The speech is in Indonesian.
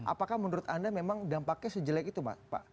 apakah menurut anda memang dampaknya sejelek itu pak